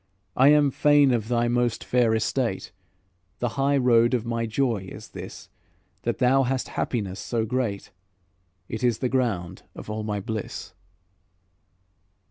I am fain of thy most fair estate; The high road of my joy is this, That thou hast happiness so great; It is the ground of all my bliss."